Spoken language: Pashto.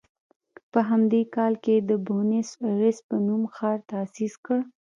په همدې کال یې د بونیس ایرس په نوم ښار تاسیس کړ.